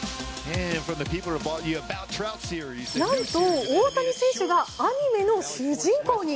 何と、大谷選手がアニメの主人公に。